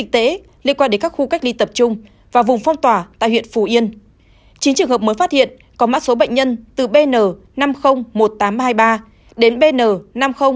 chín trường hợp mới phát hiện có mát số bệnh nhân từ bn năm trăm linh một nghìn tám trăm hai mươi ba đến bn năm trăm linh một nghìn tám trăm ba mươi một